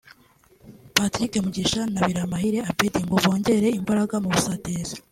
Patrick Mugisha na Biramahire Abeddy ngo bongere imbaraga mu busatirizi